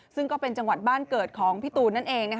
ซึ่งก็เป็นจังหวัดบ้านเกิดของพี่ตูน